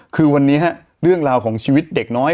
คือวันนี้เรื่องราวของชีวิตเด็กน้อย